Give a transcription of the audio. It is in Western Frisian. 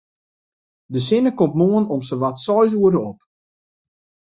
De sinne komt moarn om sawat seis oere op.